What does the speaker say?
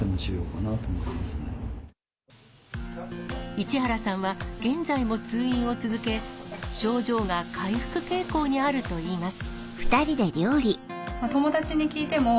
市原さんは現在も通院を続け症状が回復傾向にあるといいます。